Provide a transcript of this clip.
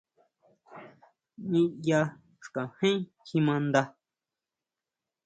Niyá xkajen kjimaʼnda.